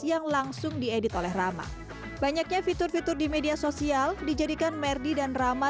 yang langsung diedit oleh rama banyaknya fitur fitur di media sosial dijadikan merdi dan rama